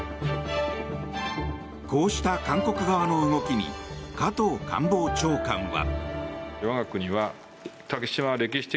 こうした韓国側の動きに加藤官房長官は。